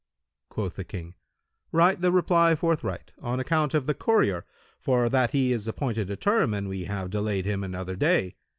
Quoth the King, "Write the reply forthright, on account of the courier, for that he is appointed a term and we have delayed him another day."